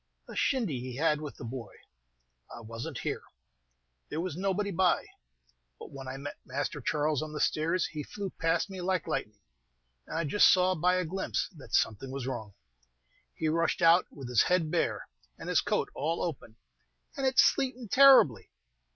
"A shindy he had with the boy. I was n't here; there was nobody by. But when I met Master Charles on the stairs, he flew past me like lightning, and I just saw by a glimpse that something was wrong. He rushed out with his head bare, and his coat all open, and it sleetin' terribly!